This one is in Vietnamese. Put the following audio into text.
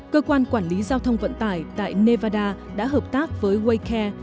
cơ quan quản lý giao thông vận tải tại nevada đã hợp tác với waycare